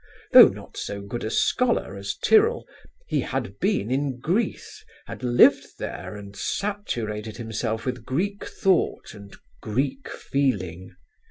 Though not so good a scholar as Tyrrell, he had been in Greece, had lived there and saturated himself with Greek thought and Greek feeling.